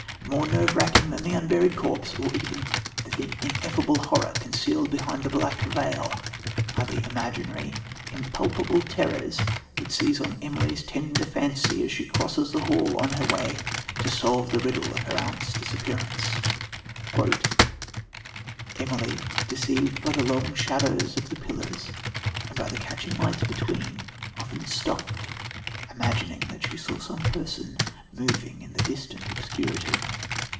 More nerve wracking than the unburied corpse or even than the ineffable horror concealed behind the black veil are the imaginary, impalpable terrors that seize on Emily's tender fancy as she crosses the hall on her way to solve the riddle of her aunt's disappearance: "Emily, deceived by the long shadows of the pillars and by the catching lights between, often stopped, imagining that she saw some person moving in the distant obscurity...